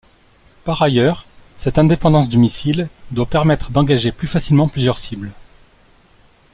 Par ailleurs, cette indépendance du missile doit permettre d'engager plus facilement plusieurs cibles.